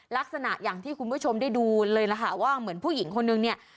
ลักษณะอย่างที่คุณผู้ชมได้ดูเลยล่ะค่ะว่าเหมือนผู้หญิงคนนึงเนี่ย